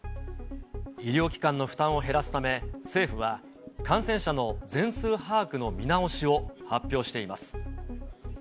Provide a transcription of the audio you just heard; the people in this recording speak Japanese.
医療機関の負担を減らすため、政府は、感染者の全数把握の見直しを発表しています。